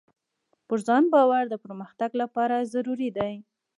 پر ځان باور د پرمختګ لپاره ضروري دی.